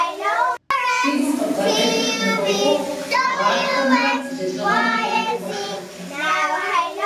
Си гум къыбгъэдэкӏыу сынывохъуэхъу Гъатхэмрэ Лэжьыгъэмрэ я махуэшхуэмкӏэ!